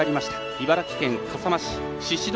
茨城県笠間市宍戸